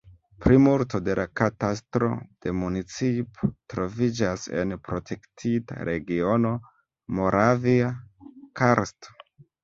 Plimulto de la katastro de municipo troviĝas en protektita regiono Moravia karsto.